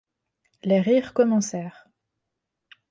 Les rires recommencèrent.